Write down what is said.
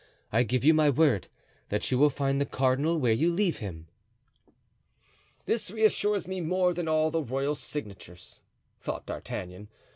I give you my word that you will find the cardinal where you leave him." "This reassures me more than all the royal signatures," thought D'Artagnan.